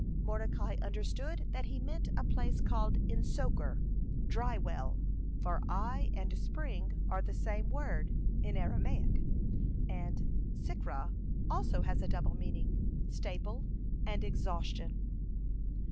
Mordecai understood that he meant a place called En Soker, "dry well," for eye and spring are the same word, En, in Aramaic, and Sikra also has a double meaning, staple and exhaustion.